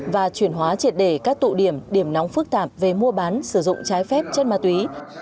và chuyển hóa triệt đề các tụ điểm điểm nóng phức tạp về mua bán sử dụng trái phép chất ma túy